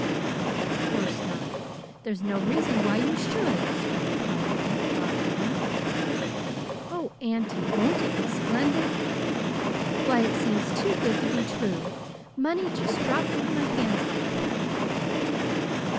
"Of course not. There's no reason why you should," scorned Pollyanna, loftily. "Oh, auntie, won't it be splendid? Why, it seems too good to be true money just dropped into my hands like that!"